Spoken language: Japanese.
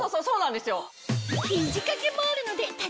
そうなんですよ。